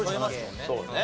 そうね。